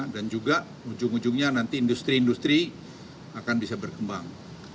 dan juga ujung ujungnya nanti industri industri akan bisa berkembang